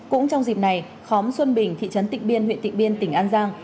cũng trong dịp này khóm xuân bình thị trấn tịnh biên huyện tịnh biên tỉnh an giang